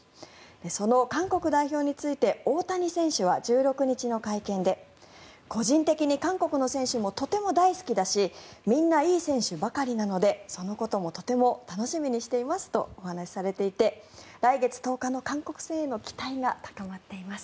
その韓国代表について大谷選手は１６日の会見で個人的に韓国の選手もとても大好きだしみんないい選手ばかりなのでそのこともとても楽しみにしていますとお話しされていて来月１０日の韓国戦への期待が高まっています。